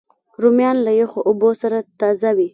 رومیان له یخو اوبو سره تازه وي